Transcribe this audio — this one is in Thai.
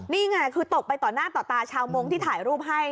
นี่ไงคือตกไปต่อหน้าต่อตาชาวมงค์ที่ถ่ายรูปให้